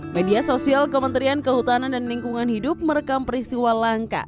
media sosial kementerian kehutanan dan lingkungan hidup merekam peristiwa langka